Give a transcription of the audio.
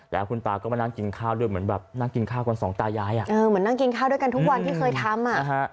แล้วคุณตาก็มานั่งกินข้าวด้วยเหมือนแบบนั่งกินข้าวกันสองตายายเหมือนนั่งกินข้าวด้วยกันทุกวันที่เคยทำอ่ะนะฮะ